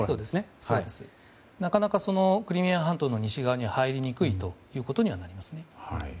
なかなかクリミア半島の西側に入りにくいことにはなります。